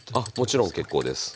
もちろん結構です。